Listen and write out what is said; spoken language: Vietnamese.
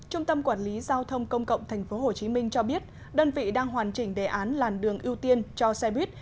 trung tâm quản lý giao thông công cộng tp hcm cho biết đơn vị đang hoàn chỉnh đề án làn đường ưu tiên cho xe buýt